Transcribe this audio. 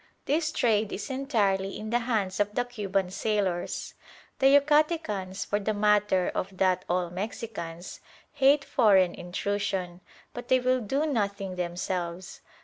This trade is entirely in the hands of the Cuban sailors. The Yucatecans, for the matter of that all Mexicans, hate foreign intrusion, but they will do nothing themselves.